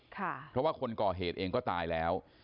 เพราะว่าคนก่อเหตุเองก็ตายแล้ว